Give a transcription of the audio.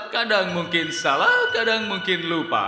kadang mungkin salah kadang mungkin lupa